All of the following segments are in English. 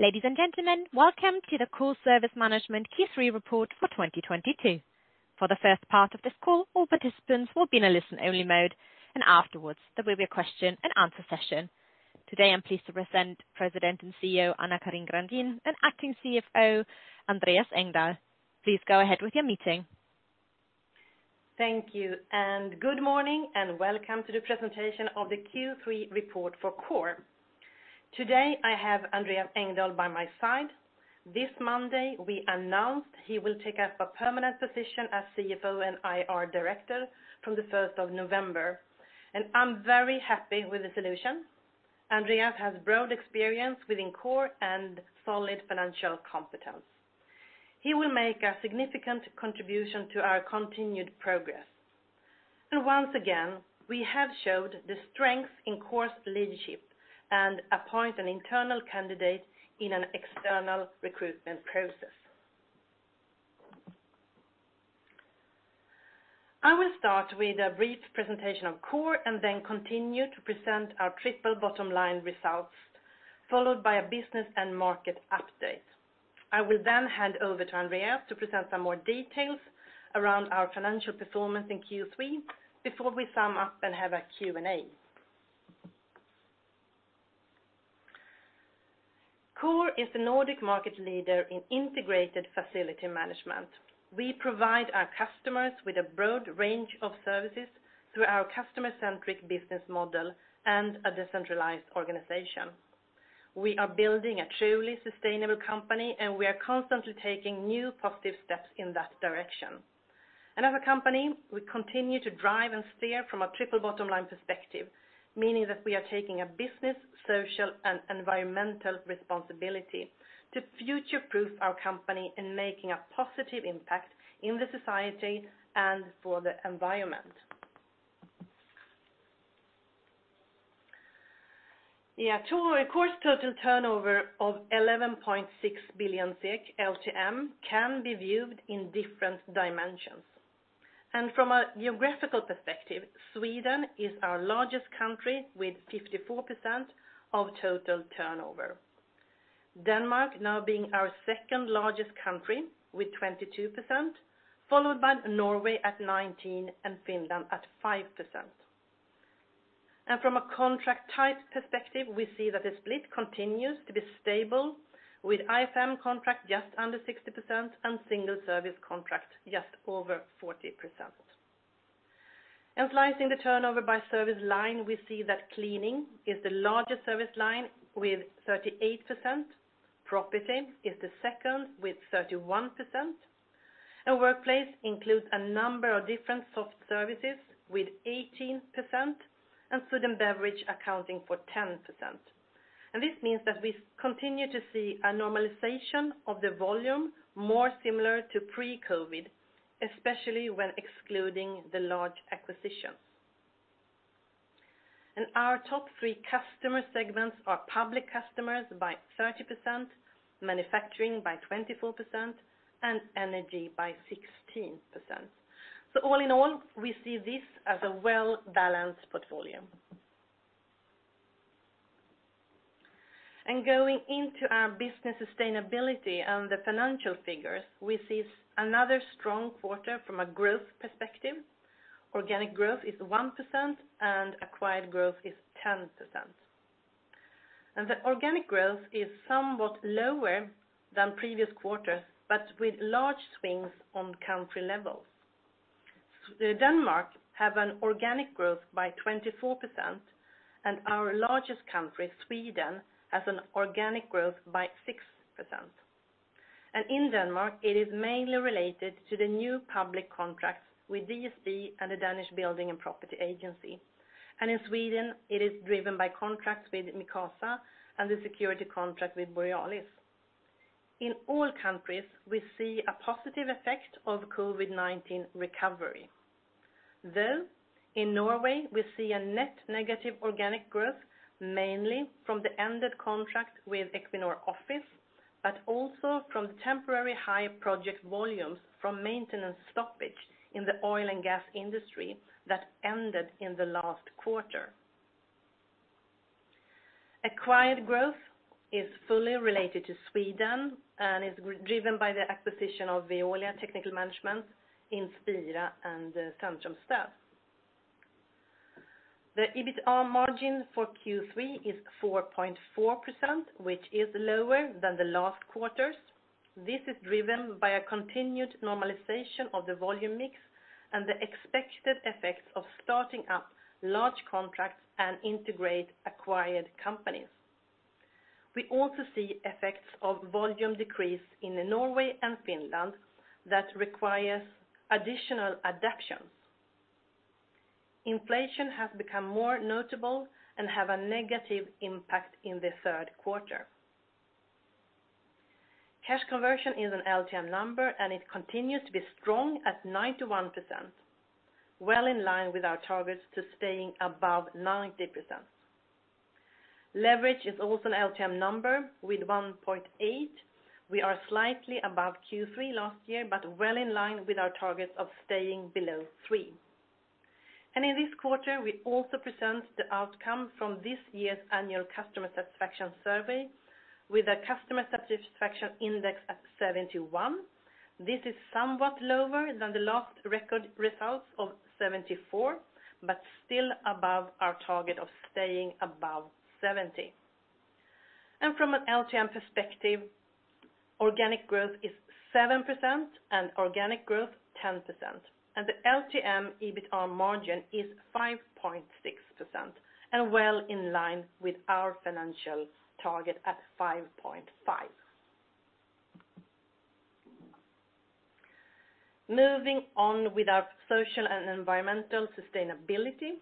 Ladies and gentlemen, welcome to the Coor Service Management Q3 report for 2022. For the first part of this call, all participants will be in a listen-only mode, and afterwards, there will be a question and answer session. Today, I'm pleased to present President and CEO AnnaCarin Grandin and Acting CFO Andreas Engdahl. Please go ahead with your meeting. Thank you, and good morning, and welcome to the presentation of the Q3 report for Coor. Today, I have Andreas Engdahl by my side. This Monday, we announced he will take up a permanent position as CFO and IR director from the first of November, and I'm very happy with the solution. Andreas has broad experience within Coor and solid financial competence. He will make a significant contribution to our continued progress. Once again, we have showed the strength in Coor's leadership and appoint an internal candidate in an external recruitment process. I will start with a brief presentation of Coor and then continue to present our triple bottom line results, followed by a business and market update. I will then hand over to Andreas to present some more details around our financial performance in Q3 before we sum up and have a Q&A. Coor is the Nordic market leader in integrated facility management. We provide our customers with a broad range of services through our customer-centric business model and a decentralized organization. We are building a truly sustainable company, and we are constantly taking new positive steps in that direction. As a company, we continue to drive and steer from a triple bottom line perspective, meaning that we are taking a business, social, and environmental responsibility to future-proof our company in making a positive impact in the society and for the environment. Yeah. Coor's total turnover of 11.6 billion SEK LTM can be viewed in different dimensions. From a geographical perspective, Sweden is our largest country with 54% of total turnover. Denmark now being our second-largest country with 22%, followed by Norway at 19% and Finland at 5%. From a contract type perspective, we see that the split continues to be stable with IFM contract just under 60% and single service contract just over 40%. Slicing the turnover by service line, we see that cleaning is the largest service line with 38%. Property is the second with 31%. Workplace includes a number of different soft services with 18%, and food and beverage accounting for 10%. This means that we continue to see a normalization of the volume more similar to pre-COVID, especially when excluding the large acquisitions. Our top three customer segments are public customers by 30%, manufacturing by 24%, and energy by 16%. All in all, we see this as a well-balanced portfolio. Going into our business sustainability and the financial figures, we see another strong quarter from a growth perspective. Organic growth is 1%, and acquired growth is 10%. The organic growth is somewhat lower than previous quarters, but with large swings on country levels. Denmark has an organic growth by 24%, and our largest country, Sweden, has an organic growth by 6%. In Denmark, it is mainly related to the new public contracts with DSB and the Danish Building and Property Agency. In Sweden, it is driven by contracts with Micasa and the security contract with Borealis. In all countries, we see a positive effect of COVID-19 recovery. In Norway, we see a net negative organic growth, mainly from the ended contract with Equinor Office, but also from temporary high project volumes from maintenance stoppage in the oil and gas industry that ended in the last quarter. Acquired growth is fully related to Sweden and is driven by the acquisition of Veolia Technical Management, Inspira, and Centrumstäd. The EBITA margin for Q3 is 4.4%, which is lower than the last quarters. This is driven by a continued normalization of the volume mix and the expected effects of starting up large contracts and integrate acquired companies. We also see effects of volume decrease in Norway and Finland that requires additional adaptations. Inflation has become more notable and have a negative impact in the third quarter. Cash conversion is an LTM number, and it continues to be strong at 91%, well in line with our targets to staying above 90%. Leverage is also an LTM number with 1.8. We are slightly above Q3 last year, but well in line with our targets of staying below 3. In this quarter, we also present the outcome from this year's annual customer satisfaction survey with a customer satisfaction index at 71. This is somewhat lower than the last record results of 74, but still above our target of staying above 70. From an LTM perspective, organic growth is 7% and organic growth 10%, and the LTM EBIT margin is 5.6% and well in line with our financial target at 5.5%. Moving on with our social and environmental sustainability.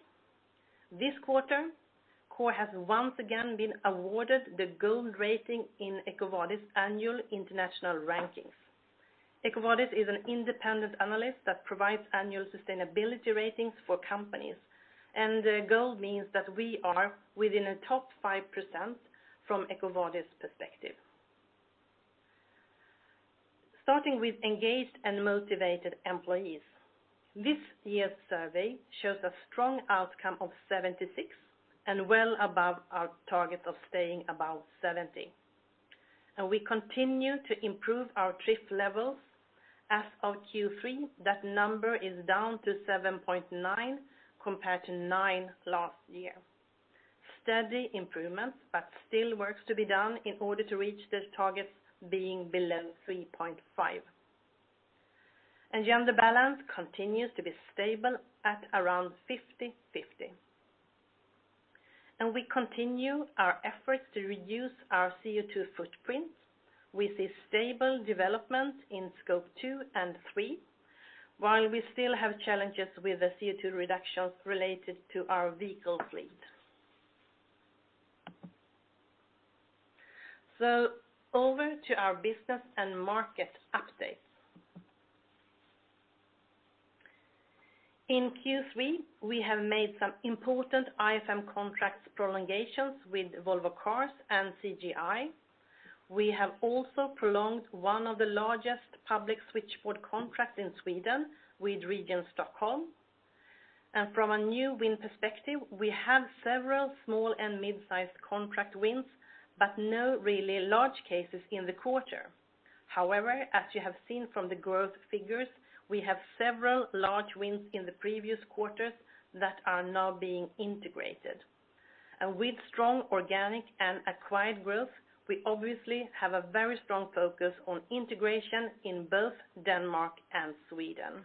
This quarter, Coor has once again been awarded the gold rating in EcoVadis Annual International Rankings. EcoVadis is an independent analyst that provides annual sustainability ratings for companies, and gold means that we are within a top 5% from EcoVadis perspective. Starting with engaged and motivated employees. This year's survey shows a strong outcome of 76 and well above our target of staying above 70. We continue to improve our drift levels. As of Q3, that number is down to 7.9 compared to 9 last year. Steady improvements, but still work to be done in order to reach these targets being below 3.5. Gender balance continues to be stable at around 50/50. We continue our efforts to reduce our CO2 footprint. We see stable development in scope 2 and 3, while we still have challenges with the CO2 reductions related to our vehicle fleet. Over to our business and market updates. In Q3, we have made some important IFM contracts prolongations with Volvo Cars and CGI. We have also prolonged one of the largest public sector contracts in Sweden with Region Stockholm. From a new win perspective, we have several small and mid-sized contract wins, but no really large cases in the quarter. However, as you have seen from the growth figures, we have several large wins in the previous quarters that are now being integrated. With strong organic and acquired growth, we obviously have a very strong focus on integration in both Denmark and Sweden.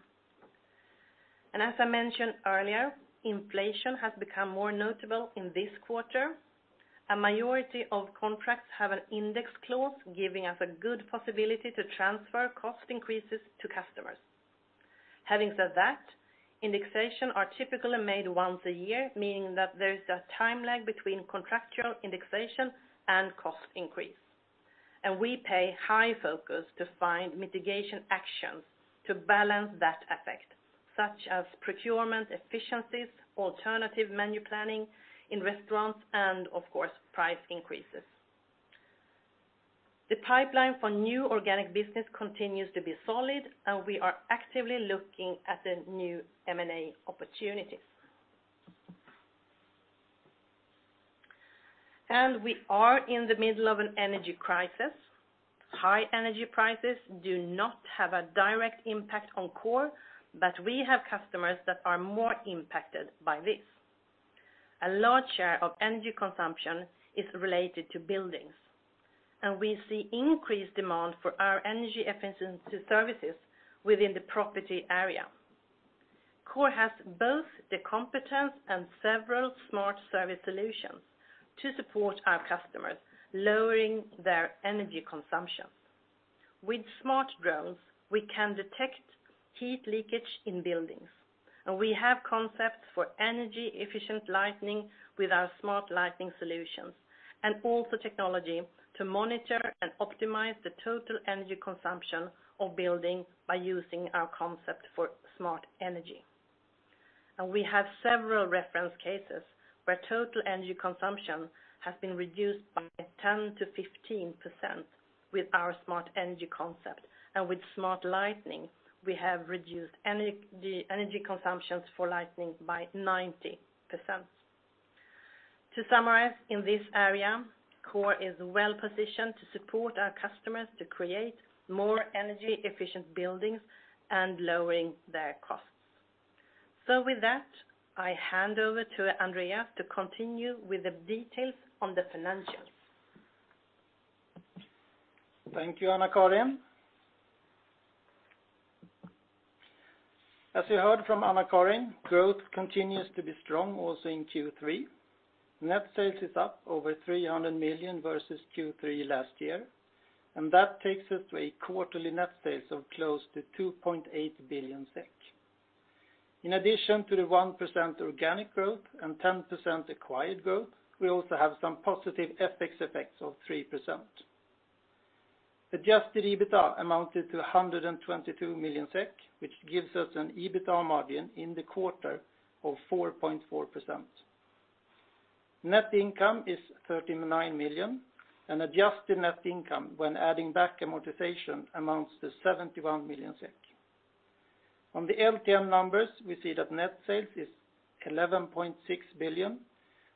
As I mentioned earlier, inflation has become more notable in this quarter. A majority of contracts have an index clause giving us a good possibility to transfer cost increases to customers. Having said that, indexation are typically made once a year, meaning that there is a time lag between contractual indexation and cost increase. We pay high focus to find mitigation actions to balance that effect, such as procurement efficiencies, alternative menu planning in restaurants and of course, price increases. The pipeline for new organic business continues to be solid, and we are actively looking at the new M&A opportunities. We are in the middle of an energy crisis. High energy prices do not have a direct impact on Coor, but we have customers that are more impacted by this. A large share of energy consumption is related to buildings, and we see increased demand for our energy efficiency services within the property area. Coor has both the competence and several smart service solutions to support our customers, lowering their energy consumption. With smart drones, we can detect heat leakage in buildings, and we have concepts for energy-efficient lighting with our smart lighting solutions, and also technology to monitor and optimize the total energy consumption of buildings by using our concept for smart energy. We have several reference cases where total energy consumption has been reduced by 10%-15% with our SmartEnergy concept. With SmartLighting, we have reduced energy consumptions for lighting by 90%. To summarize, in this area, Coor is well-positioned to support our customers to create more energy efficient buildings and lowering their costs. With that, I hand over to Andreas to continue with the details on the financials. Thank you, AnnaCarin. As you heard from AnnaCarin, growth continues to be strong also in Q3. Net sales is up over 300 million versus Q3 last year, and that takes us to a quarterly net sales of close to 2.8 billion SEK. In addition to the 1% organic growth and 10% acquired growth, we also have some positive FX effects of 3%. Adjusted EBITDA amounted to 122 million SEK, which gives us an EBITDA margin in the quarter of 4.4%. Net income is 39 million, and adjusted net income when adding back amortization amounts to 71 million SEK. On the LTM numbers, we see that net sales is 11.6 billion,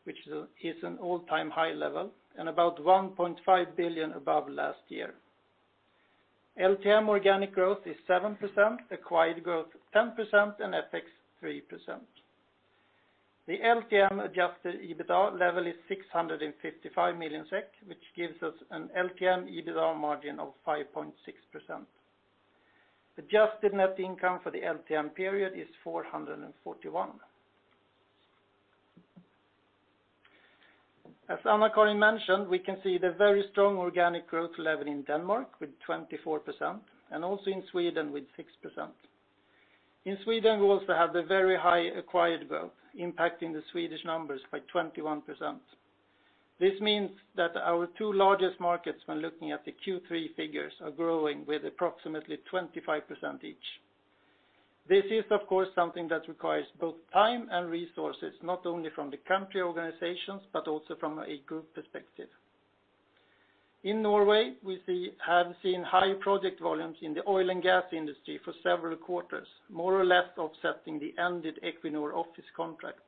which is an all-time high level and about 1.5 billion above last year. LTM organic growth is 7%, acquired growth 10%, and FX 3%. The LTM adjusted EBITDA level is 655 million SEK, which gives us an LTM EBITDA margin of 5.6%. Adjusted net income for the LTM period is 441 million. As Anna-Karin mentioned, we can see the very strong organic growth level in Denmark with 24% and also in Sweden with 6%. In Sweden, we also have the very high acquired growth impacting the Swedish numbers by 21%. This means that our two largest markets when looking at the Q3 figures are growing with approximately 25% each. This is of course something that requires both time and resources, not only from the country organizations, but also from a group perspective. In Norway, we have seen high project volumes in the oil and gas industry for several quarters, more or less offsetting the ended Equinor office contract.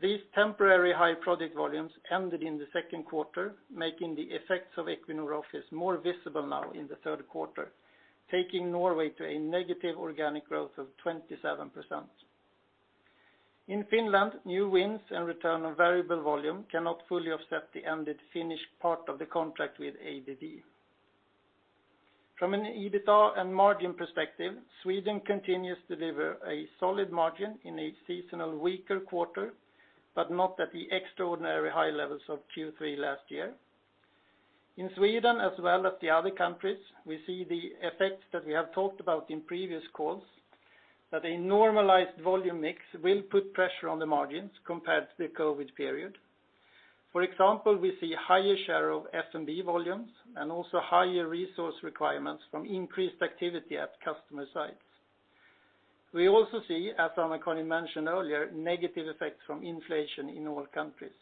These temporary high project volumes ended in the second quarter, making the effects of Equinor office more visible now in the third quarter, taking Norway to a negative organic growth of 27%. In Finland, new wins and return on variable volume cannot fully offset the ended Finnish part of the contract with ABB. From an EBITDA and margin perspective, Sweden continues to deliver a solid margin in a seasonal weaker quarter, but not at the extraordinary high levels of Q3 last year. In Sweden as well as the other countries, we see the effects that we have talked about in previous calls, that a normalized volume mix will put pressure on the margins compared to the COVID period. For example, we see higher share of F&B volumes and also higher resource requirements from increased activity at customer sites. We also see, as AnnaCarin mentioned earlier, negative effects from inflation in all countries.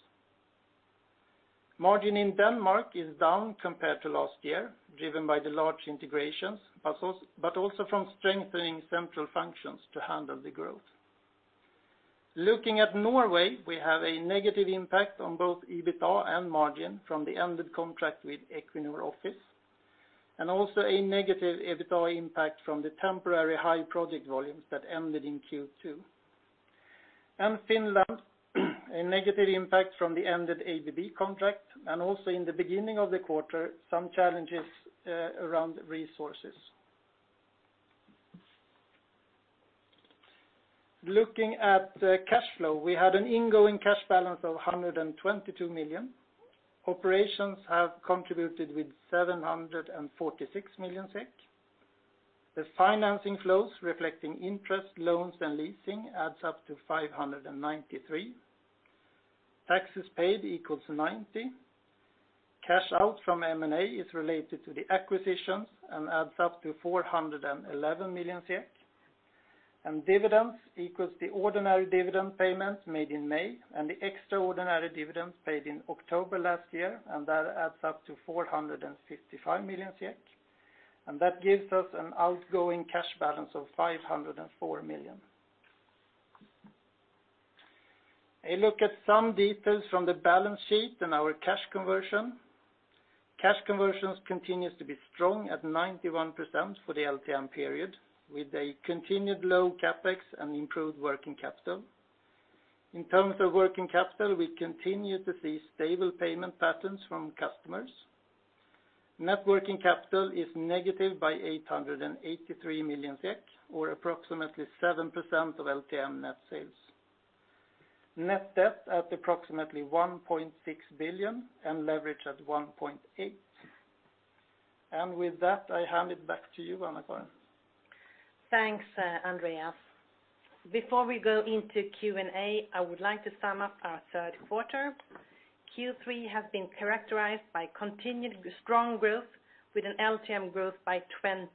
Margin in Denmark is down compared to last year, driven by the large integrations, but also from strengthening central functions to handle the growth. Looking at Norway, we have a negative impact on both EBITDA and margin from the ended contract with Equinor Office, and also a negative EBITDA impact from the temporary high project volumes that ended in Q2. Finland, a negative impact from the ended ABB contract, and also in the beginning of the quarter, some challenges around resources. Looking at the cash flow, we had an opening cash balance of 122 million. Operations have contributed with 746 million SEK. The financing flows reflecting interest, loans, and leasing adds up to 593 million. Taxes paid equals 90 million. Cash out from M&A is related to the acquisitions and adds up to 411 million. Dividends equals the ordinary dividend payments made in May and the extraordinary dividends paid in October last year, and that adds up to 455 million. That gives us an outgoing cash balance of 504 million. A look at some details from the balance sheet and our cash conversion. Cash conversion continues to be strong at 91% for the LTM period, with a continued low CapEx and improved working capital. In terms of working capital, we continue to see stable payment patterns from customers. Net working capital is negative by 883 million SEK or approximately 7% of LTM net sales. Net debt at approximately 1.6 billion and leverage at 1.8. With that, I hand it back to you, AnnaCarin. Thanks, Andreas. Before we go into Q&A, I would like to sum up our third quarter. Q3 has been characterized by continued strong growth with an LTM growth by 20%.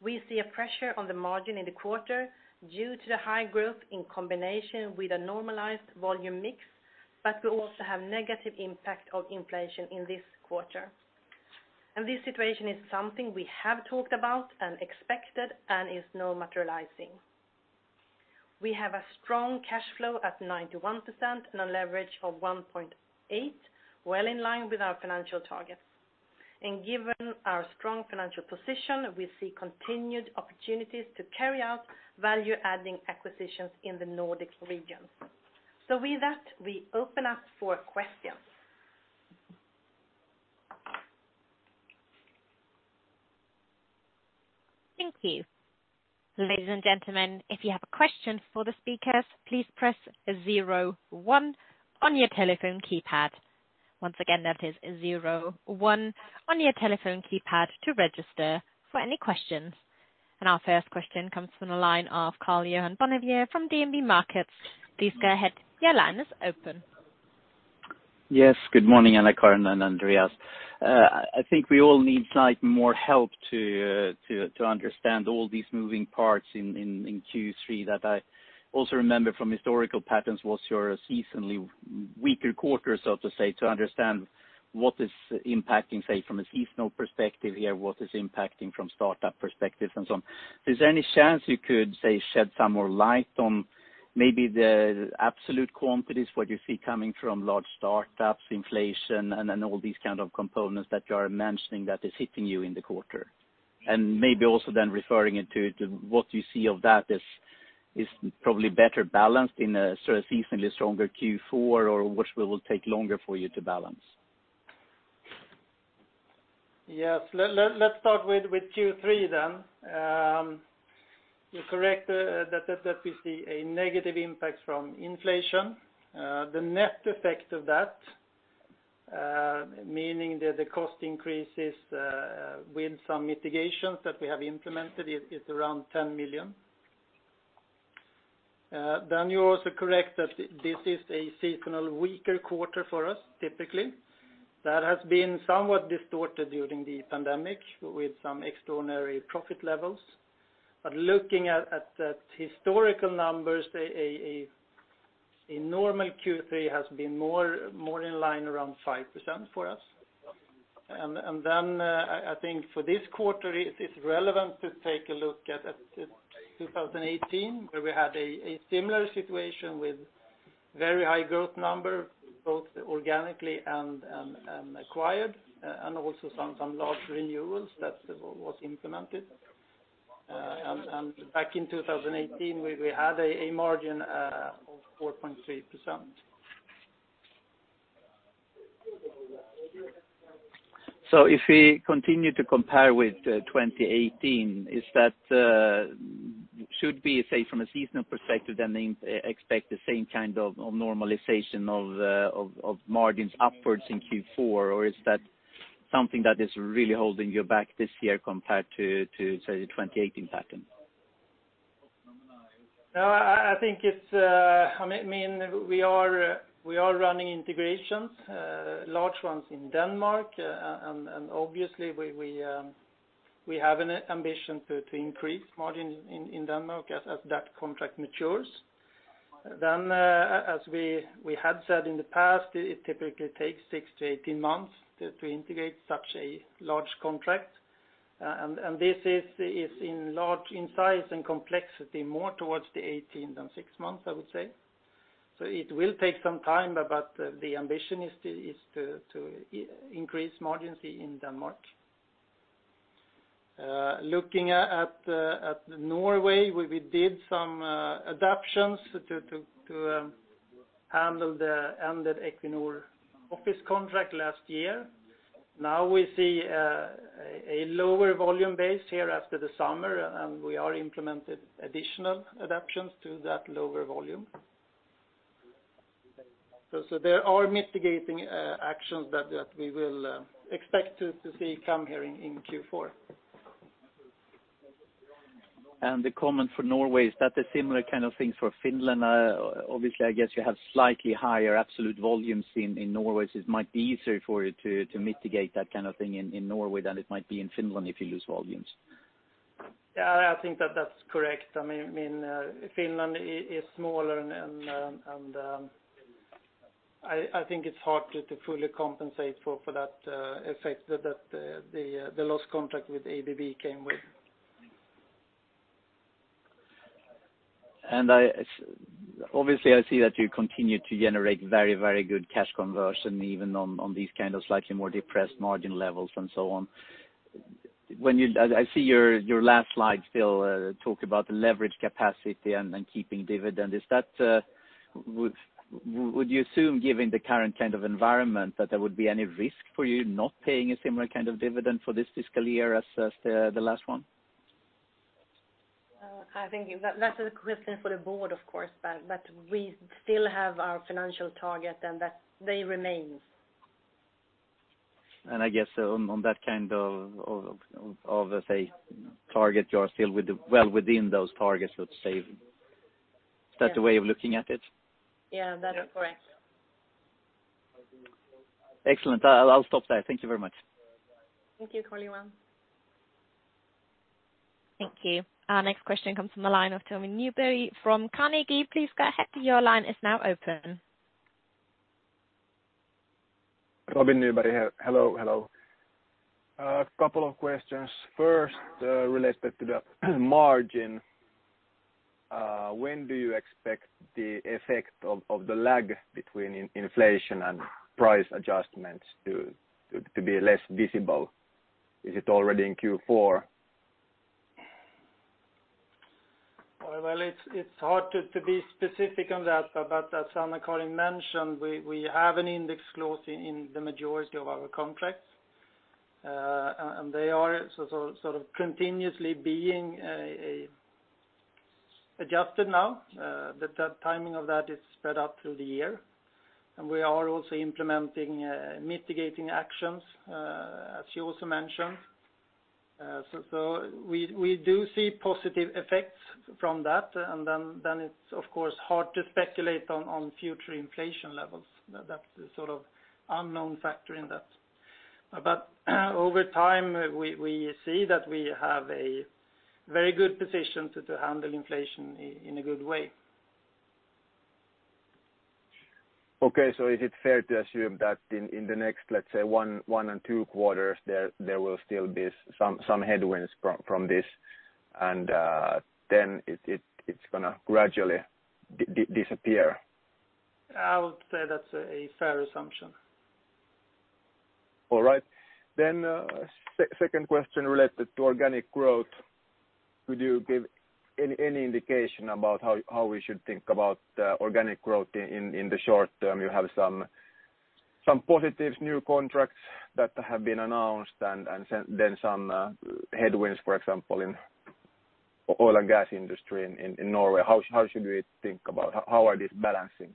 We see a pressure on the margin in the quarter due to the high growth in combination with a normalized volume mix, but we also have negative impact of inflation in this quarter. This situation is something we have talked about and expected and is now materializing. We have a strong cash flow at 91% and a leverage of 1.8, well in line with our financial targets. Given our strong financial position, we see continued opportunities to carry out value-adding acquisitions in the Nordic region. With that, we open up for questions. Thank you. Ladies and gentlemen, if you have a question for the speakers, please press zero one on your telephone keypad. Once again, that is zero one on your telephone keypad to register for any questions. Our first question comes from the line of Karl-Johan Bonnevier from DNB Markets. Please go ahead. Your line is open. Yes. Good morning, AnnaCarin and Andreas. I think we all need slightly more help to understand all these moving parts in Q3 that I also remember from historical patterns, was your seasonally weaker quarter, so to say, to understand what is impacting, say, from a seasonal perspective here, what is impacting from startup perspectives and so on. Is there any chance you could, say, shed some more light on maybe the absolute quantities, what you see coming from large startups, inflation and all these kind of components that you are mentioning that is hitting you in the quarter? Maybe also then referring it to what you see of that is probably better balanced in a sort of seasonally stronger Q4, or which will take longer for you to balance. Yes. Let's start with Q3. You're correct that we see a negative impact from inflation. The net effect of that, meaning that the cost increases with some mitigations that we have implemented is around 10 million. You're also correct that this is a seasonal weaker quarter for us, typically. That has been somewhat distorted during the pandemic with some extraordinary profit levels. Looking at the historical numbers, a normal Q3 has been more in line around 5% for us. I think for this quarter it is relevant to take a look at 2018, where we had a similar situation with very high growth number, both organically and acquired, and also some large renewals that was implemented. Back in 2018, we had a margin of 4.3%. If we continue to compare with 2018, is that, should we say from a seasonal perspective then expect the same kind of normalization of margins upwards in Q4, or is that something that is really holding you back this year compared to, say, the 2018 pattern? No, I think it's. I mean, we are running integrations, large ones in Denmark. Obviously we have an ambition to increase margins in Denmark as that contract matures. As we had said in the past, it typically takes 6-18 months to integrate such a large contract. This is large in size and complexity, more towards the 18 than six months, I would say. It will take some time, but the ambition is to increase margins in Denmark. Looking at Norway, we did some adaptations to handle the ended Equinor office contract last year. Now we see a lower volume base here after the summer, and we are implementing additional adaptations to that lower volume. There are mitigating actions that we will expect to see come here in Q4. The comment for Norway, is that a similar kind of thing for Finland? Obviously, I guess you have slightly higher absolute volumes in Norway, so it might be easier for you to mitigate that kind of thing in Norway than it might be in Finland if you lose volumes. Yeah, I think that that's correct. I mean, Finland is smaller and I think it's hard to fully compensate for that effect that the lost contract with ABB came with. I, obviously, I see that you continue to generate very, very good cash conversion even on these kind of slightly more depressed margin levels and so on. I see your last slide still talk about the leverage capacity and keeping dividend. Is that. Would you assume, given the current kind of environment, that there would be any risk for you not paying a similar kind of dividend for this fiscal year as the last one? I think that that's a question for the board, of course. We still have our financial target and that they remain. I guess on that kind of say target, you are still well within those targets, let's say. Yeah. Is that the way of looking at it? Yeah, that is correct. Excellent. I'll stop there. Thank you very much. Thank you, Karl-Johan Bonnevier. Thank you. Our next question comes from the line of Robin Nyberg from Carnegie. Please go ahead. Your line is now open. Robin Nyberg here. Hello, hello. A couple of questions. First, related to the margin, when do you expect the effect of the lag between inflation and price adjustments to be less visible? Is it already in Q4? Well, it's hard to be specific on that. As AnnaCarin mentioned, we have an index clause in the majority of our contracts. They are sort of continuously being adjusted now, but the timing of that is spread out through the year. We are also implementing mitigating actions, as you also mentioned. We do see positive effects from that. Then it's of course hard to speculate on future inflation levels. That's the sort of unknown factor in that. Over time, we see that we have a very good position to handle inflation in a good way. Okay. Is it fair to assume that in the next, let's say, 1 and 2 quarters, there will still be some headwinds from this and then it's gonna gradually disappear? I would say that's a fair assumption. All right. Second question related to organic growth. Could you give any indication about how we should think about organic growth in the short term? You have some positives, new contracts that have been announced and then some headwinds, for example, in oil and gas industry in Norway. How should we think about? How are these balancing?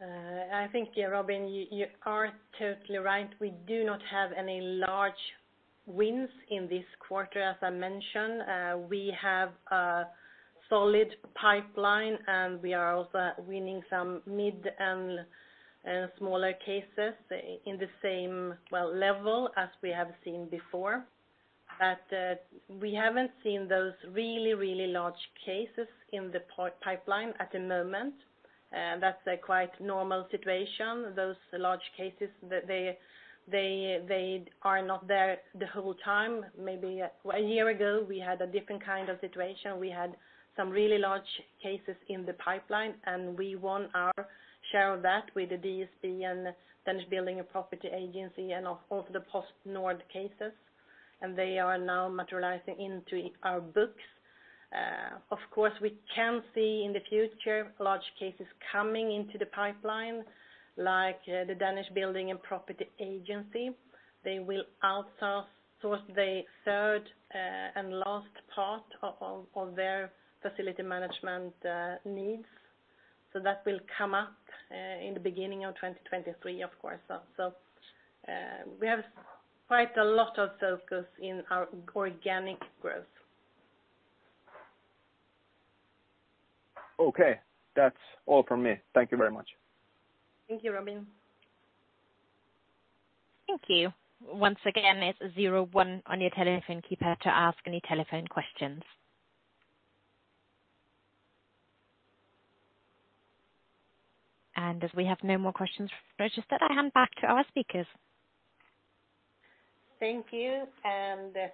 I think, yeah, Robin, you are totally right. We do not have any large wins in this quarter. As I mentioned, we have a solid pipeline, and we are also winning some mid and smaller cases in the same, well, level as we have seen before. We haven't seen those really large cases in the pipeline at the moment. That's a quite normal situation. Those large cases, they are not there the whole time. Maybe a year ago, we had a different kind of situation. We had some really large cases in the pipeline, and we won our share of that with the DSB and Danish Building and Property Agency and of the PostNord cases, and they are now materializing into our books. Of course, we can see in the future large cases coming into the pipeline, like the Danish Building and Property Agency. They will also source the third and last part of their facility management needs. That will come up in the beginning of 2023, of course. We have quite a lot of focus in our organic growth. Okay. That's all from me. Thank you very much. Thank you, Robin. Thank you. Once again, it's zero one on your telephone keypad to ask any telephone questions. As we have no more questions, I'll just hand it back to our speakers. Thank you.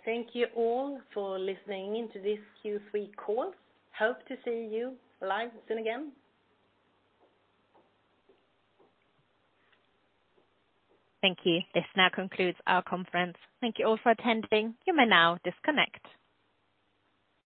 Thank you all for listening in to this Q3 call. Hope to see you live soon again. Thank you. This now concludes our conference. Thank you all for attending. You may now disconnect.